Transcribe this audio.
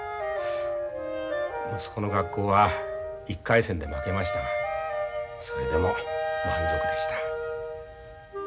息子の学校は１回戦で負けましたがそれでも満足でした。